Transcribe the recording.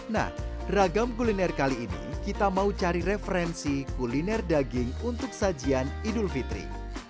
nah ragam kuliner kali ini kita mau cari referensi kuliner daging untuk sajian idul fitri